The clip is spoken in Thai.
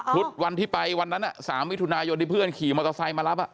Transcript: วันที่ไปวันนั้น๓มิถุนายนที่เพื่อนขี่มอเตอร์ไซค์มารับ